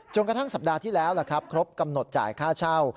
กระทั่งสัปดาห์ที่แล้วครบกำหนดจ่ายค่าเช่า